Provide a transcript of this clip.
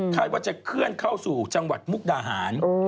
ว่าจะเคลื่อนเข้าสู่จังหวัดมุกดาหาร